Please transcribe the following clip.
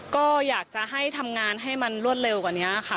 ก็อยากจะให้ทำงานให้มันรวดเร็วกว่านี้ค่ะ